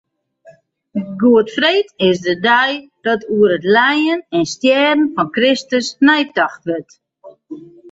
Goedfreed is de dei dat oer it lijen en stjerren fan Kristus neitocht wurdt.